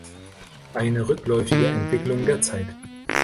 Eine rückläufige Entwicklung der Zeit